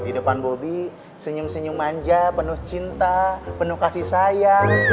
di depan bobby senyum senyum manja penuh cinta penuh kasih sayang